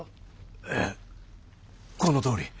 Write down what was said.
ええこのとおり。